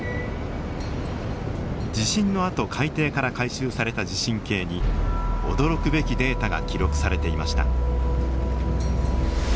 地震のあと海底から回収された地震計に驚くべきデータが記録されていました。